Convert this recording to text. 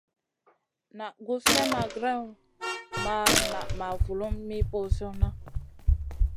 Naʼ gus slèʼ ma grewn ma naʼ ma vulum mi ɓosionna.